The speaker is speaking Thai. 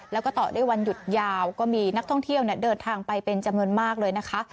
แล้วก็ต่อด้วยวันหยุดยาวก็มีนักท่องเที่ยวเดินทางไปเป็นจำนวนมากเลยนะคะ